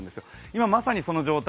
今、まさにその状態